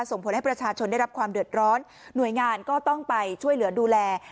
ส่งผลให้ประชาชนได้รับความเดือดร้อนหน่วยงานก็ต้องไปช่วยเหลือดูแล